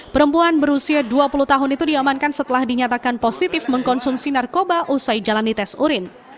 perempuan berusia dua puluh tahun itu diamankan setelah dinyatakan positif mengkonsumsi narkoba usai jalani tes urin